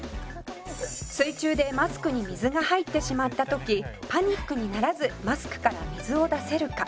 「水中でマスクに水が入ってしまった時パニックにならずマスクから水を出せるか？」